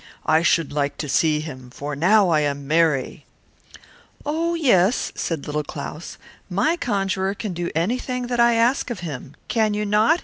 "I should like to see him now, while I am so merry." "Oh, yes!" replied Little Claus, "my conjuror can do anything I ask him, can you not?"